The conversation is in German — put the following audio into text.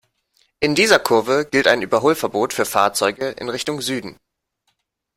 In dieser Kurve gilt ein Überholverbot für Fahrzeuge in Richtung Süden.